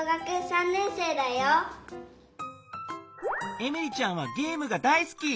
エミリちゃんはゲームが大すき！